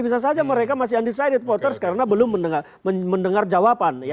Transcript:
bisa saja mereka masih undecided voters karena belum mendengar jawaban